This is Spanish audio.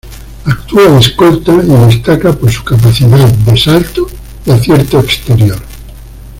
Actúa de Escolta y destaca por su capacidad de salto y acierto exterior.